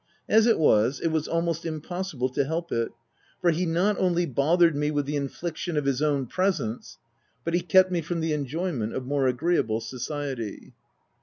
As it was, it was almost im possible to help it ; for he not only bothered me with the infliction of his own presence, but he kept me from the enjoyment of more agreeable society.